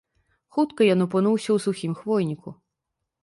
Хутка ён апынуўся ў сухім хвойніку.